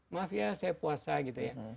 maaf ya saya puasa gitu ya